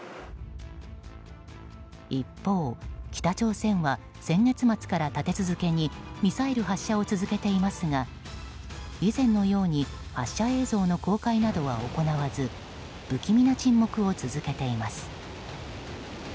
一方、北朝鮮は先月末から立て続けにミサイル発射を続けていますが以前のように発射映像の公開などは行わず不気味な沈黙を続けています。